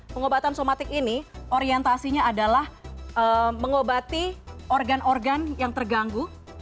pengobatan somatik ini orientasinya adalah mengobati organ organ yang terganggu